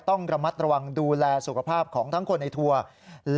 ต้องระมัดระวังดูแลสุขภาพของทั้งคนในทัวร์